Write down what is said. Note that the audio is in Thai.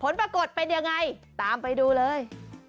ผลปรากฏเป็นยังไงตามไปดูเลย